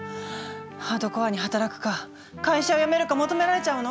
ハードコアに働くか会社を辞めるか求められちゃうの？